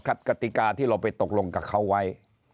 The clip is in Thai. ไม่ครับหรอกครับกติกาที่เราไปตกลงกับเขาไว้